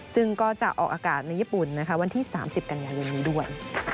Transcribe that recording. ซึ่งก็จะออกอากาศในญี่ปุ่นวันที่๓๐กันยายนนี้ด้วย